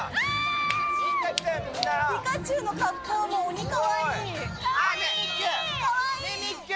ピカチュウの格好も鬼かわいかわいい。